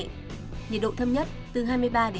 nhiệt độ thâm nhất từ hai mươi ba hai mươi sáu độ